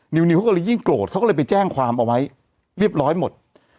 นิวเขาก็เลยยิ่งโกรธเขาก็เลยไปแจ้งความเอาไว้เรียบร้อยหมด